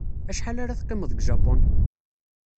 Acḥal ara teqqimeḍ deg Japun?